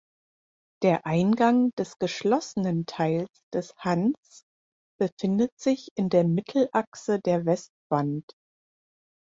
Der Eingang des geschlossenen Teils des Hans befindet sich in der Mittelachse der Westwand.